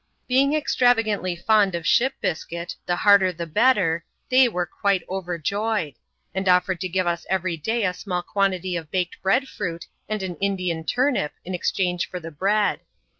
Being extravagantly fond of ship biscuit — the harder the better — they were quite overjoyed ; and offSered to give us every day a small quantity of baked bread fruit and Indian turnip in exchange for the iMreajd.